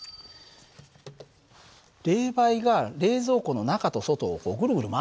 冷媒が冷蔵庫の外と中をぐるぐる回ってるんだね。